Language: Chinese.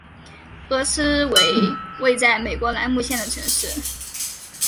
厄斯为位在美国兰姆县的城市。